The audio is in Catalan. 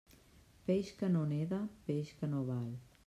Peix que no neda, peix que no val.